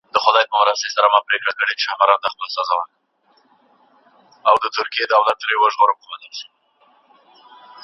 کړکۍ په باد کې غږ کوي.